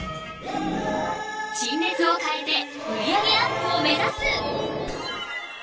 陳列を変えて売り上げアップを目指す！